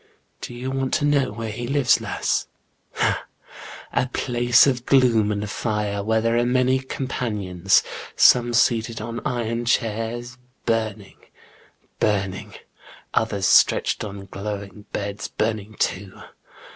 Do you want to JEAN GRENIEB. 89 know where he lives, lass ? Ha, in a place of gloom and fire, where there are many companions, some seated on iron chairs, burning, burning ; others stretched on glowing beds, burning too.